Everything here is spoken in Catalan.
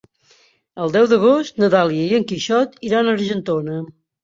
El deu d'agost na Dàlia i en Quixot iran a Argentona.